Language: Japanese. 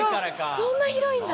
そんな広いんだ。